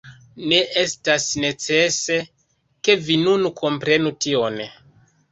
Ne estas necese, ke vi nun komprenu tion.